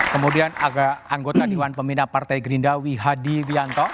kemudian agar anggota diwan pemina partai gerindawi hadi wianto